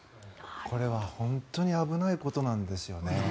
これは本当に危ないことなんですよね。